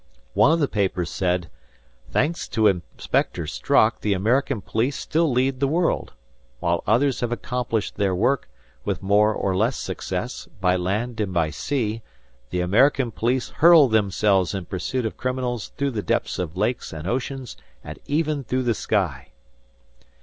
One of the papers said, "Thanks to Inspector Strock the American police still lead the world. While others have accomplished their work, with more or less success, by land and by sea, the American police hurl themselves in pursuit of criminals through the depths of lakes and oceans and even through the sky."